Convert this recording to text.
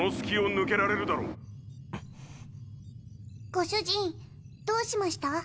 ご主人どうしました？